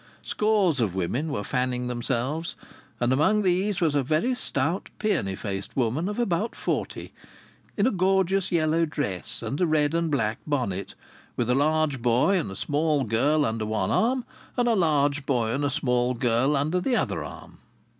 Scores of women were fanning themselves; and among these was a very stout peony faced woman of about forty in a gorgeous yellow dress and a red and black bonnet, with a large boy and a small girl under one arm, and a large boy and a small girl under the other arm.